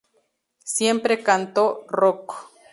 Siempre canto rock.